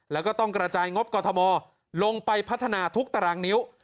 แล้วก็ต้องกระจายงบกอทมลงไปพัฒนาทุกตารางนิ้ว